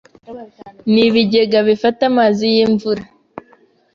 n’ibigega bifata amazi y’imvura.